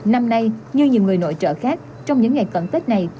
năm nay như nhiều người nội trợ khác trong những ngày cận tết này